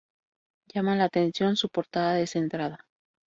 Llama la atención su portada descentrada.